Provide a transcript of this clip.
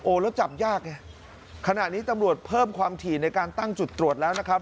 แล้วจับยากไงขณะนี้ตำรวจเพิ่มความถี่ในการตั้งจุดตรวจแล้วนะครับ